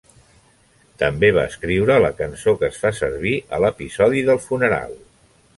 També va escriure la cançó que es fa servir a l'episodi del funeral.